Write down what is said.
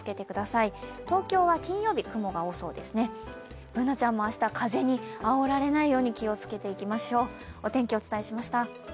Ｂｏｏｎａ端も明日、風にあおられないように気をつけていきましょう。